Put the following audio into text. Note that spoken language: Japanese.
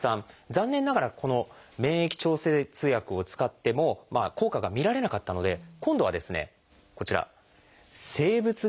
残念ながらこの免疫調節薬を使っても効果が見られなかったので今度はこちら生物学的製剤。